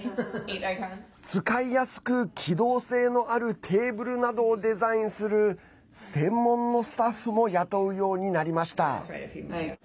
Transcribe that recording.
使いやすく機動性があるテーブルなどをデザインする専門のスタッフも雇うようになりました。